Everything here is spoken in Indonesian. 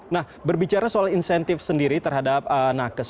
nah berbicara soal insentif sendiri terhadap nakes